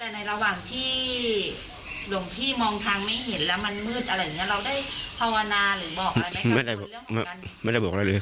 เราได้ภาวนาหรือบอกอะไรไหมไม่ได้บอกไม่ได้บอกอะไรเลย